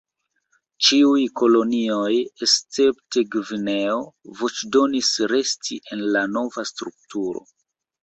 Ĉiuj kolonioj escepte Gvineo voĉdonis resti en la nova strukturo.